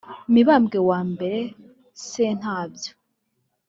mibambwe wa mbere sentabyo